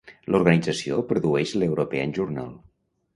L'organització produeix l'European Journal.